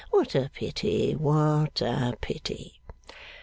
What a pity, what a pity!